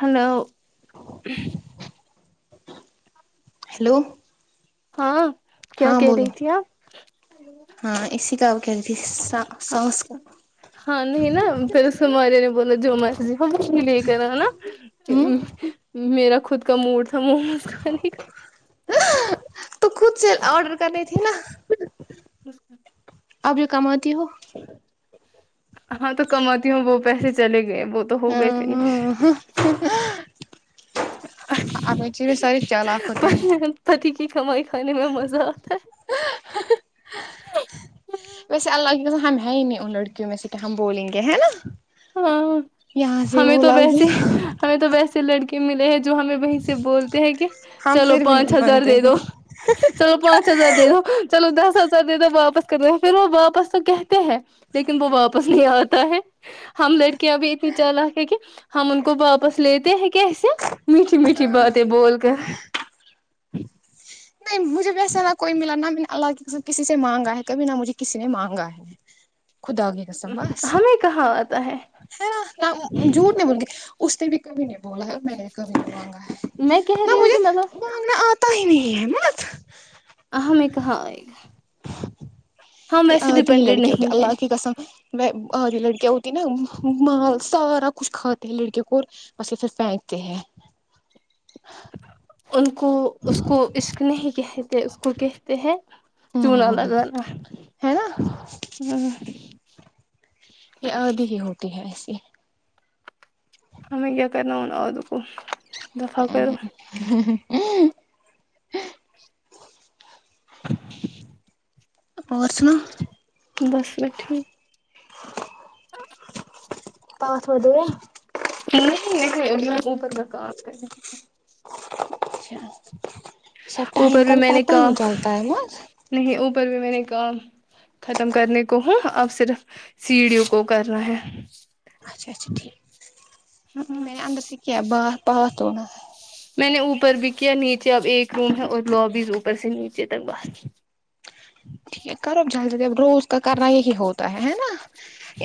hello hello ہاں کیا ہاں کہہ بولو رہی تھی آپ ہاں اسی کا وہ کہ رہی تھی س سانس کا ہ [unintelligible] میرا خود کا موڈ تھا موز کھانے کا تو خود سے آڈر کرنی تھی نا اچا اب جو کماتی ہو ہاں تو کماتی ہوں وہ پیسے چلے گئے وہ تو ہو گئے تھے نے آپ [unintelligible] ساری چالاک ہو تے ہیں پتی کی کمائی کھانے میں مزہ آتا ہے ویسے اللہ کی کسم ہم ہے ہی نہیں ان لڑکیوں میں سے کی ہم بولیں گے ہے نا ہاں یہاں سے ہمیں وہ تو لگ گے ویسے نا ہمیں تو ویسے لڑکے ملے ہیں جو ہمیں وہیں سے بولتے ہیں کی ہم چلو پھر بھی پانچ نہیں ہزار مانتے دے ہیں دو چلو پانچ ہزار دے دو چلو دس ہزار دے دو واپس کر دے فیر وہ واپس تو کہتے ہیں لیکن وہ واپس نہیں آتا ہے ہم لڑکیاں بھی اتنی چالاک ہے کی ہم ان کو واپس لیتے ہیں کیسے میٹھی میٹھی نہیں باتیں بول کر مجھے ویسا نا کوئی ملا نہ میں نے اللہ کی کسم کی سے مانگا ہے کبھی نہ مجھے کسی نے مانگا ہے خدا کی کسم بس ہمیں کہاں آتا ہے ہے نا جوٹ نہیں بولوں گی اس نے بھی کبھی نہیں بولا ہے میں نے کبھی نہیں مانگا ہے میں کہہ نہ دوں مجھے گی مطلب مانگنا آتا ہی نہیں ہے مت ہم نے کہا آںی گا میں آدھی ڈپینڈنٹ لڑکی یا ہوتی نہیں ہیں اللہ کی کسم میں آدی لڑکیی یا ہوتی نا مال سارا کچھ کھاتے ہیں لڑکے کا اور بس پھر فینکتے ہیں ان کو اس کو عشق نہیں کہتے اس کو کہتے ہیں چونا ہوں لگانا ہے نا امم یہ آدھے ہی ہوتے ہے ایسے ہمیں کیا کرنا ان آدھو کو دفاع کرو بات سنو بس رکھ ٹھیک [inaudible] س [unintelligible] پانچ بجے نہیں نہیں انہیں پر جا کام پر جا اچھا سب ٹائم اوپر کا بھی میں نے پتہ ہی نہیں کام چلتا ہے نا نہیں اوپر بھی میں نے کہا ختم کرنے کو ہوں اب صرف سیڑیوں کو کرنا ہے اچھا اچھا ٹھیک میں اندر سے کیا باہر پارکینگ ہے میں نے اوپر بھی کیا نیچے اب ایک روم ہے اور لوبیز اوپر سے نیچے تک باہر ٹھیک ہے کروب جلد جی اب روز کا کرنا یہی ہوتا ہے نا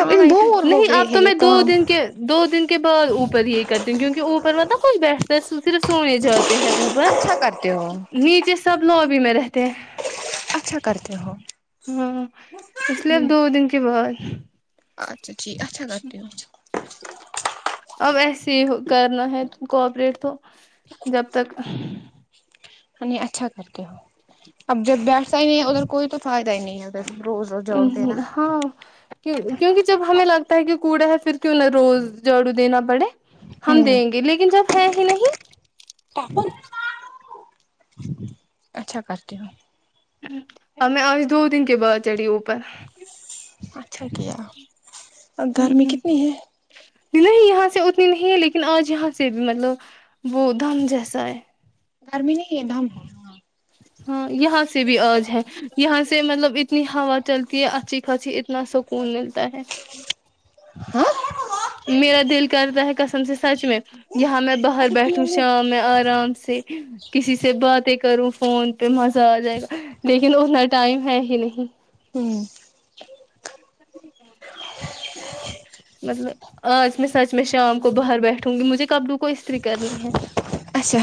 ہاں دو اور ہو نہیں گئے اب ہے تو میں یہ دو کام دن کے دو دن کے بعد اوپر یہ کرتی ہوں کیونکہ اوپر و نا کچھ بیٹھتا ہے صرف سونے جاتے ہیں اوپر اچھا کرتے ہو وہ نیچے سب لوبی میں رہتے ہیں اچھا کرتے ہو ہاں اس لیے اب ہوں دو دن کے بعد اچھا ٹھیک اچھا کرتے ہے اب ایسے ہی ہو کرنا ہے کوپریٹ تو جب تک ہ [unintelligible] نی اچھا کر کے ہو اب جب بیٹھتا ہی نہیں ہے ادھر کوئی تو فائد ہی نہیں ہے ادھر روز اور امم ہاں کیونکہ جب ہمیں لگتا ہے کہ کوڑا ہے پھر کیوں نہ روز جاڑو دینا پڑے ہم ہوں دیں گے لیکن جب ہے ہی نہیں اچھا کرتی ہوں ہم میں آج دو دن کے بعد چڑھی اوپر اچھا کیا گرمی کتنی ہے نہیں یہاں سے اتنی نہیں ہے لیکن آج یہاں سے بھی مطلب وہ دم جیسا ہے گرمی نہیں ہے دم ہے ہاں یہاں سے بھی آج ہے یہاں سے مطلب اتنی ہوا چلتی ہے اچھی پھسی اتنا سکون ملتا ہے ہاں میرا دل کرتا ہے کسم سے سچ میں یہاں میں باہر بیٹھوں شام میں آرام سے کسی سے باتیں کروں فون پہ مزہ آ جائے گا لیکن اتنا ٹائم ہے ہی نہیں ہوں [inaudible] ج مطلب آج میں سچ میں شام کو باہر بیٹھوں گی مجھے کبلو کو استری کرنی ہے اچھا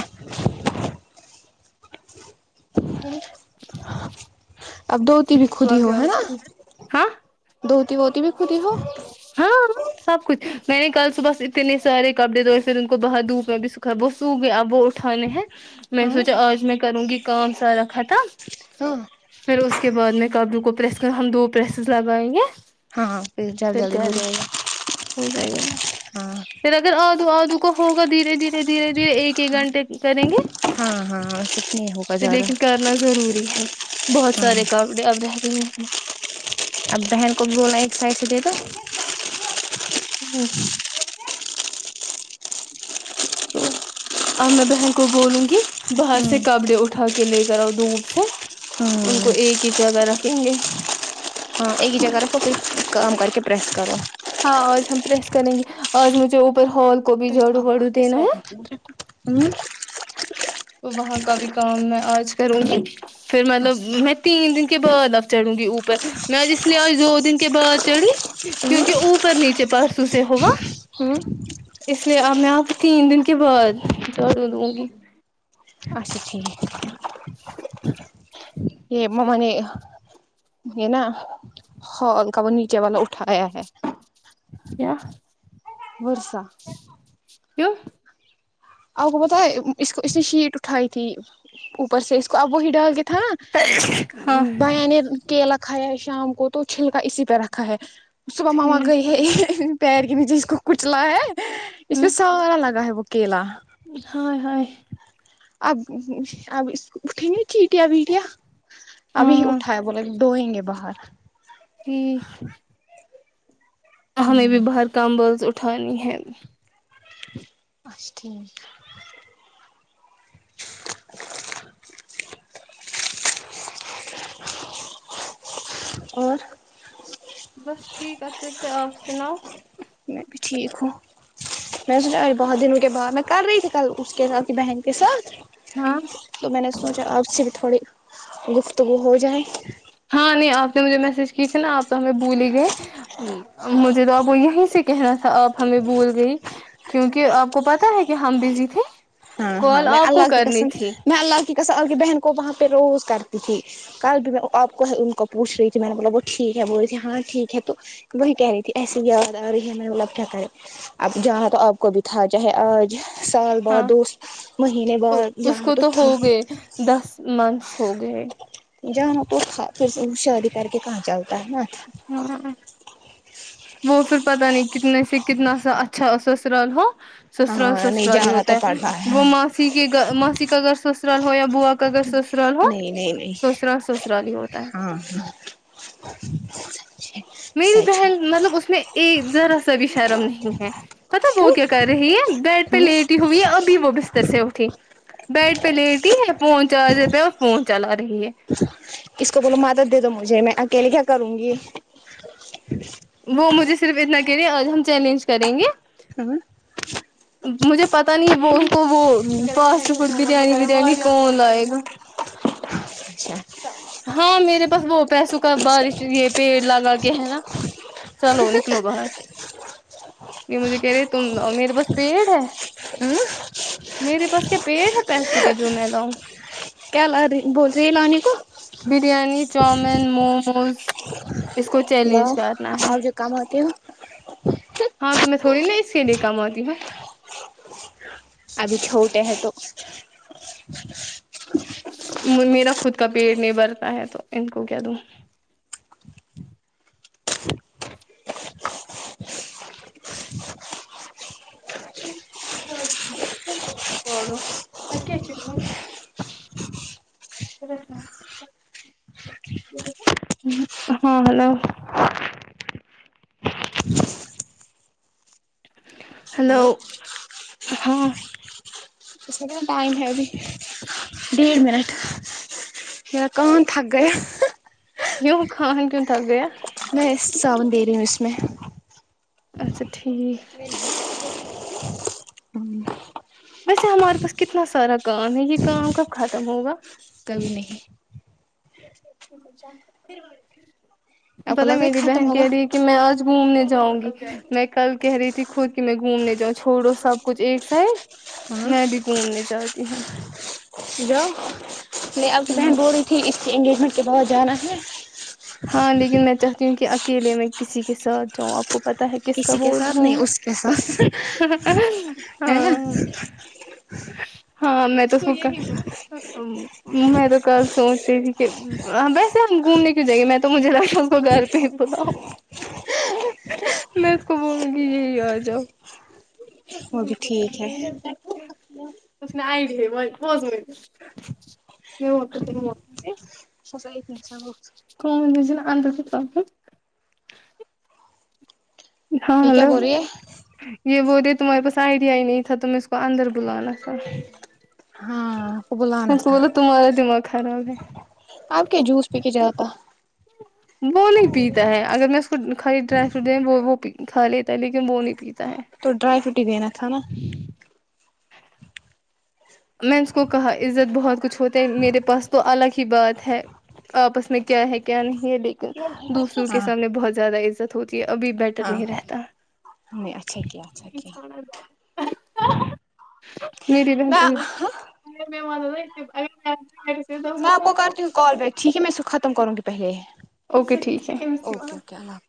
اب دھتی بھی خود ہی ہو ہے نا ہاں دھوتی بوتی بھی خودی ہو ہاں سب کچھ میں نے کل صبح اتنے سارے کپڑے دھوئے پھر ان کو باہر دھپ میں بھی سکھایا وہ سوکھ گیا وہ اٹھ اھانے ہے میں نے ہاں سوچا آج میں کروں گی کام سارا ختم ہاں پھر اسس کے بعد میں کبلو کو پریس کر ہم دو پریسز لگائیں گے ہاں جلد پھر جلدی کر ہو جائے رہے گا ہو جائے گا نا ہاں پھر اگر آدو آدو کو ہوگا دھیرے دھیرے دھیرے دھیرے ایک ایک گھنٹے کریں گے ہاں ہاں کتنی ہوگا تو زیادہ لیکن کرنا ضروری ہے بہت ہاں سارے کام ا اب رہ ہے اب بہن کو بھی بولنا ایک سائڈ سے دے دو ہوں اب میں بہن کو بولوں گی باہر سے ہوں کبڑے اٹھا کے لے کر آؤ دھوپ سے ان کو ہوں ایک ہی جگہ رکھیں گے ہاں ایک ہی جگہ رپو کوئی کام کر کے پرریس کرو ہاں آج ہم پریس کریں گے آج مجھے اوپر ہال کو بھی جھاڑو واڑو دینا صاف ہے کرنا ہے مجھے وہاں کا بھی کام میں آج کروں گی پھر مطلب میں تین دن کے بعد اب چڑھوں گی اوپر میں آج اس لیے آج دو دن کے بعد چڑھی کیونکہ اوپر نیچے پرسوں سے ہوگا ہوں اس لیے اب میں آپ کو تین دن کے بعد جھاڑو دوں گی اچھا ٹھیک ج یہ ممنی یہ نا ہ کا وہ نیچے والا اٹھایا ہے کیا بورسہ کیوں آپ کو بتا اس کو اس نے شیٹ اٹھائی تھی اوپر سے اس کو اب وہی ڈال کے تھا نا ہاں بھیا نے کیلا کھایا ہے شام کو تو چھلکا اسی پہ رکھا ہے صبح ماما گئے ہے پیر کے نیچے اس کو کچلا ہے اس پہ ٹھیک سارا لگا ہے وہ کیلا ہائے ہائے اب اب اس کو اٹھیں گے چیٹیا ویٹیا ابھی ہاں اٹھایا بولاے ڈوئیں گے باہر امم ہمیں بھی ہوں باہر کام بولز اٹھانی ہے اچھا ٹھیک اور بس ٹھیک آقب بھاںی آپ سناؤ میں ٹھیک ہوں میں نے سوچا آج بہت دنو کے بعد میں کر رہی ہو کل اس کے ساتھ بہن کے ساتھ ہاں تو میں نے سوچا آپ سے بھی تھوڑی گفتگو ہو جائے ہاں نہیں آپ نے مجھے میسج کی تھی نا آپ تو ہمیں بھول ہی گئے مجھے تو آپ وہ یہیں سے کہنا تھا آپ ہمیں بول گئی کیونکہ آپ کو پتہ ہے کہ ہم بزی تھے ہاں ہاں کال میں آپ کو اللہ کی کرنی قسم تھی میں اللہ کی کسم اپنی بہن کو وہاں پہ روز کرتی تھی کل بھی میں آپ کو ان کو پوچھ رہی تھی میں نے بولا وہ ٹھیک ہے بول رہی تھی ہاں ٹھیک ہے تو وہی کہہ رہی تھی ایسی ہی آواز آ رہی ہے ہم مطلب کیا کرے اب جہاں تو آپ کو بھی تھا چاہے آج سال بعد ہاں دوست اس کو تو ہو گئے دس منتھس ہو گئے جاں ہم کو پھر شادی کر کے کہاں چلتا ہے نا [unintelligible] وہ پھر پتہ نہیں کتنے سے کتنا سا اچھا سسرال ہو سسرال ہاں نہیں سسرال ہی جانا تو ہوتا ہے پڑ رہا وہ ماسی کے گھر ماسی کا اگر سسرال ہو یا بوا اگر سسرال ہو نہیں نہیں نہیں سسرال سسرال ہی ہوتا ہے ہاں میری سچ ہے بہن مطلب اس میں ایک ذرا سا بھی شرم نہیں ہے پتہ وہ کیا کیوں کہہ رہی ہے بیڈ پہ لیٹی ہوئی ہے ابھی وہ بستر سے اٹھی بیڈ پہ لیٹی ہوںی ہے فون چارجر پہ ہے اور فون چلا رہی ہے اس کو بولو مادت دے دو مجھے میں اکیلے کیا کروں گی وہ مجھے صرف اتنا کہہ رہی ہے اب ہم چیلنج کریں گے ہاں مجھے پتہ نہیں وہ اس کو وہ فاسٹ فوڈ بریانی وریانی کون لائے گا اچھا ہاں میرے پاس وہ پیسوں کا بارش یہ پیڑ لگا کے ہے نا چلو نکلو باہر یہ مجھے کہہ رہے تم امیر پاس پیڑ ہے میرے پاس کیا پیڑ ہے پیسوں کا جو میں لاؤں کیا لا رہی ہوں بول رہی ہے لانے کو بریانی چومین موموز اس کو چیلنج لاؤ کرنا ہے آپ جو کماتے ہو ہاں تو میں تھوڑی نا اس کے لیے کاماتی ہوں ابھی چھوٹے ہیں تو میرا خود کا پیٹ نہیں بھرتا ہے تو ان کو کیا دوں [unintelligible] ہاں ہیلو ہیلو ہاں ائم ہے بھی ڈیڑھ منٹ ک تھک گی کیوں خون کیوں تھاک گیا میں صاابون دے رہی ہوں اس میں اچھا ٹھیک ویسے ہمارے پاس کتنا سارا کام ہے یہ کام کب ختم ہوگا کبھی نہیں آپ کو پت لگتا ہے میری بہن ختم ہوگا کہہ رہی ہے کہ میں آج گھومنے جاؤں گی میں کل کہہ رہی تھی خود کی میں گھومنے جاؤں چھوڑو سب کچھ ایک سائڈ ہاں میں بھی گھومنے جاتی ہوں جو میں آپ کی بہن ہ بول رہی تھی اس کے انگیجمنٹ کے بعد جانا ہے ہاں لیکن میں چاہتی ہوں کہ اکیلے میں کسی کے ساتھ جاؤں آپ آ کو پتا ہے کس کا کسی کے بول ساتھ نہیں ہوں اس کے ساتھ ہے نا ہاں ہاں میں تو س مکا میں تو کل سوچ رہی تھی کہ ویسے ہم گھومنے کیوں جائے میں تو تو مجھے لگتا ہے اس کو گھر پہ ہی بلاؤ میں تو کو بولوں گی یہی آ جاؤ وہ بھی ٹھیک ہے [unintelligible] [unintelligible] [unintelligible] ہاں یہ کیا ہیلو بول رہی ہے یہ بول رہے تمہارے پاس آئیڈیا ہی نہیں تھا تم اس کو اندر بلانا تھا ہاں آپ کو بلانا تھا بول تمارا دماغ خرااب ہے آپ کیا جوس پی کے جاتا وہو نہیں پیتا ہے اگر میں اس کو کھالی ڈرائی فروٹ د وہ کھا لیتا ہے لیکن وہ نہیں پیتا ہے تو ڈرائیرو ہی دین تھاا میں نے اس کو کہا عزت بہت کچھ ہوتے میرے پاس تو الگ ہی بات ہے آپس میں کیا ہے کیا نہیں ہے لیکن دوسروں کے ہاں سامنے بہت زیادہ عزت ہوتی ہے ابھی بیٹر ہاں نہیں رہتا نہیں اچھا کیا اچھا کیا میری بمپ میں [unintelligible] میں آپ کو کرتی ہوں کال بیک ٹھیک ہے میں اس کو ختم کروں گی پہلے اوکے ٹھیک ہے اوکے اوکے اللہ حافظ